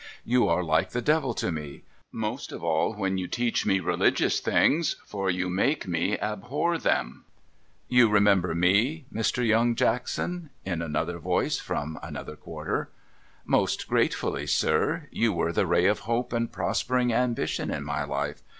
You are like the Devil to me; most of all when you teach me religious things, for you make me abhor them.' ' You remember me, JNIr. Young Jackson ?' In another voice from another quarter. ' Most gratefully, sir. You were the ray of hope and prospering ambition in my life.